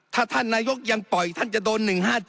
ถ้าท่านนายกยังปล่อยท่านจะโดน๑๕๗